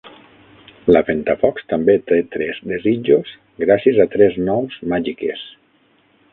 La Ventafocs també té tres desitjos gràcies a tres nous màgiques.